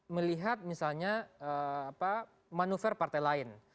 melihat misalnya manuver partai lain